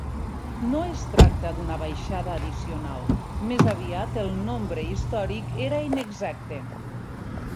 No es tracta d'una baixada addicional; més aviat el nombre històric era inexacte.